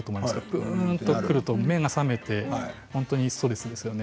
ぷーんときますと目が覚めて本当にストレスですよね。